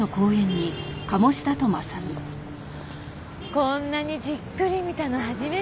こんなにじっくり見たの初めて。